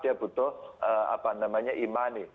dia butuh apa namanya e money